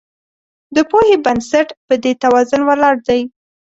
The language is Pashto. د پوهې بنسټ په دې توازن ولاړ دی.